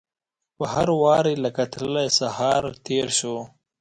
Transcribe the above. په هر واري لکه تللی سهار تیر شو